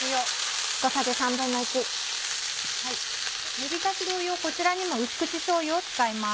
煮びたし同様こちらにも淡口しょうゆを使います。